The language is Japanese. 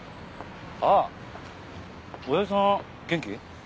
あっ親父さん元気？